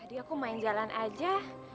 aku main jalan aja